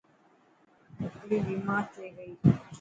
ٻڪري بيمار ٿي گئي.